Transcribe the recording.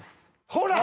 ほら。